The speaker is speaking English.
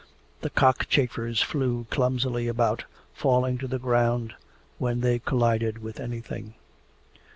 The cockchafers flew clumsily about, falling to the ground when they collided with anything.